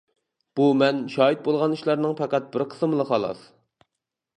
بۇ مەن شاھىت بولغان ئىشلارنىڭ پەقەت بىر قىسمىلا خالاس.